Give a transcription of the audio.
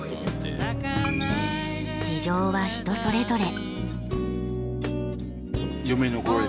事情は人それぞれ。